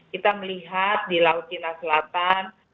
kita melihat di laut cina selatan